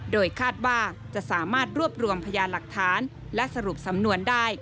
โดยคาดว่าจะสามารถรวบรวมพยานหลักฐานและสรุปสำนวนได้